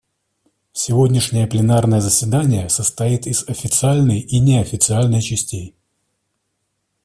Сегодняшнее пленарное заседание состоит из официальной и неофициальной частей.